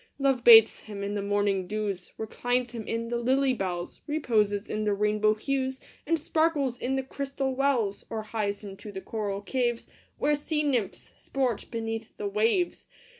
Love bathes him in the morning dews, Reclines him in the lily bells, Reposes in the rainbow hues, And sparkles in the crystal wells, Or hies him to the coral caves, Where sea nymphs sport beneath the waves.